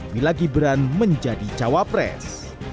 bila gibran menjadi cawapres